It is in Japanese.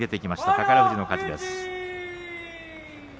宝富士の勝ちです。